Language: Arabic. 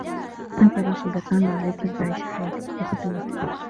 أنتِ راشدة الآن و عليكِ أن تعيشي حياتكِ بحرّيّة.